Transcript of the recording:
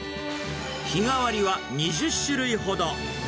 日替わりは２０種類ほど。